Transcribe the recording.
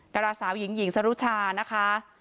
ดาราสาวหญิงหญิงสรุชานะคะ